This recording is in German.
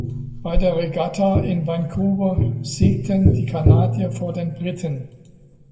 Bei der Regatta in Vancouver siegten die Kanadier vor den Briten.